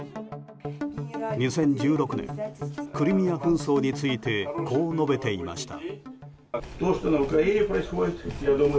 ２０１６年クリミア紛争についてこう述べていました。